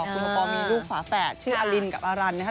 คุณโอปอลมีลูกฝาแฝดชื่ออลินกับอารันนะครับ